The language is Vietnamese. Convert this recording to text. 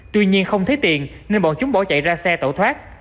tuy nhiên không thấy tiền nên bọn chúng bỏ chạy ra xe tẩu thoát